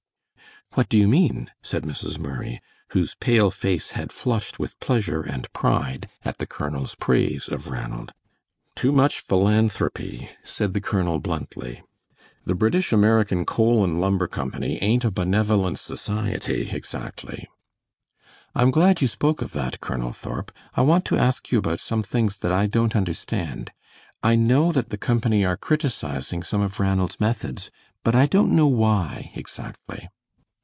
"What do you mean?" said Mrs. Murray, whose pale face had flushed with pleasure and pride at the colonel's praise of Ranald. "Too much philanthropy," said the colonel, bluntly; "the British American Coal and Lumber Company ain't a benevolent society exactly." "I am glad you spoke of that, Colonel Thorp; I want to ask you about some things that I don't understand. I know that the company are criticising some of Ranald's methods, but don't know why exactly."